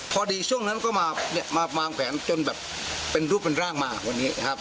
ช่วงนั้นก็มาวางแผนจนแบบเป็นรูปเป็นร่างมาวันนี้นะครับ